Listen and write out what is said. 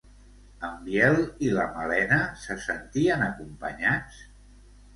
En Biel i la Malena se sentien acompanyats?